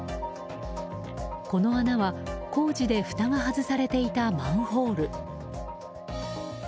この穴は工事でふたが外されていたマンホール。